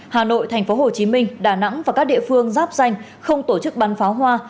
hà nội tp hcm đà nẵng và các địa phương giáp danh không tổ chức bắn pháo hoa